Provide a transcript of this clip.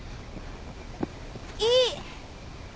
いい！